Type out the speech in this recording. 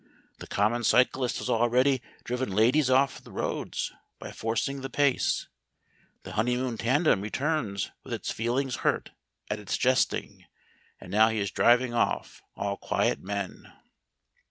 The common cyclist has already driven ladies off the roads by forcing the pace, the honeymoon tandem returns with its feelings hurt at his jesting, and now he is driving off all quiet men."